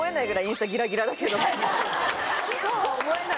だけどそうは思えない。